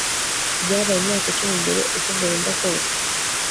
byabaye imyaka icumi mbere, uko byagenda kose